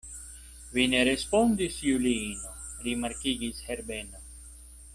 Vi ne respondis, Juliino, rimarkigis Herbeno.